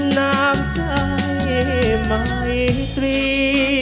น้ำใจไม่ตรี